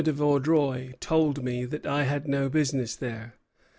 de Vaudreuil told me I had no business there.